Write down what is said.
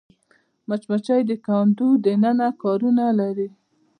مچمچۍ د کندو دننه کارونه لري